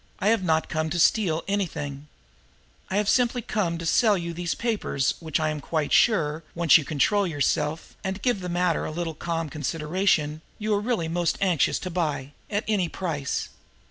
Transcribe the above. "I have not come to steal anything; I have simply come to sell you these papers, which I am quite sure, once you control yourself and give the matter a little calm consideration, you are really most anxious to buy at any price.